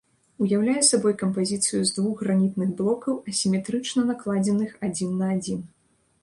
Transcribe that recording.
Уяўляе сабой кампазіцыю з двух гранітных блокаў, асіметрычна накладзеных адзін на адзін.